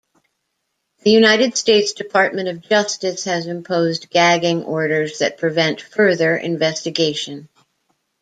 The United States Department of Justice has imposed gagging orders that prevent further investigation.